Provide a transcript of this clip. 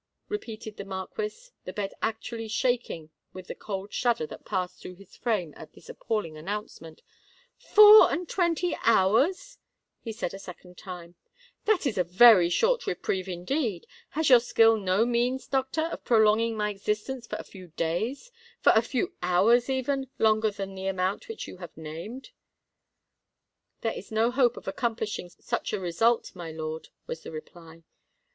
repeated the Marquis, the bed actually shaking with the cold shudder that passed through his frame at this appalling announcement: "four and twenty hours!" he said a second time: "that is a very short reprieve, indeed! Has your skill no means, doctor, of prolonging my existence for a few days—for a few hours, even, longer than the amount which you have named?" "There is no hope of accomplishing such a result, my lord," was the reply.